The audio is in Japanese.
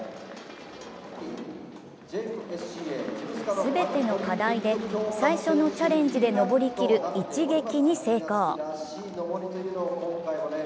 全ての課題で最初のチャレンジで登り切る一撃に成功。